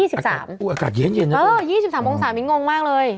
อุ๊ยอากาศเย็นนะมิ้นเออ๒๓โมง๓มิ้นงงมากเลย